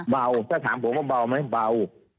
เบาถ้าถามผมว่าเบาไหมเบา